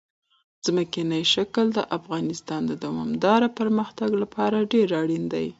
ځمکنی شکل د افغانستان د دوامداره پرمختګ لپاره ډېر اړین دي.